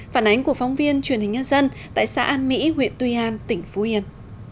phản ánh của phóng viên truyền hình nhân dân tại xã an mỹ huyện tuy an tỉnh phú yên